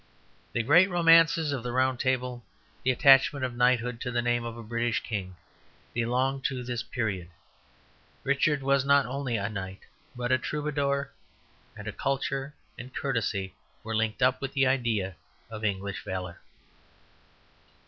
The great romances of the Round Table, the attachment of knighthood to the name of a British king, belong to this period. Richard was not only a knight but a troubadour; and culture and courtesy were linked up with the idea of English valour.